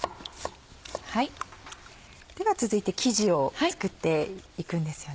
では続いて生地を作っていくんですよね。